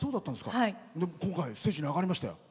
今回、ステージに上がりましたよ。